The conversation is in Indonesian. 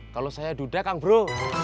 kalau saya duda kang bro